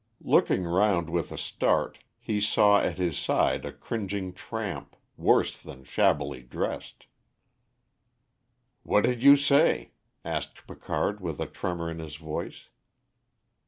Looking round with a start, he saw at his side a cringing tramp, worse than shabbily dressed. "What did you say?" asked Picard, with a tremor in his voice.